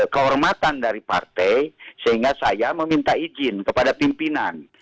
kehormatan dari partai sehingga saya meminta izin kepada pimpinan